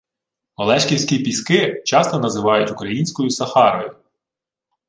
Олешківські піски часто називають українською «Сахарою»